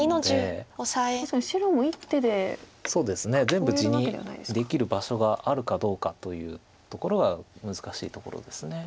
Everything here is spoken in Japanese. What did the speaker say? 全部地にできる場所があるかどうかというところが難しいところです。